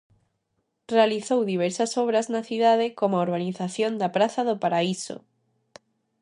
Realizou diversas obras na cidade como a urbanización da praza do Paraíso.